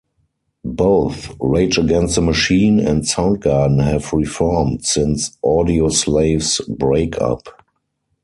Both Rage Against the Machine and Soundgarden have reformed since Audioslave's breakup.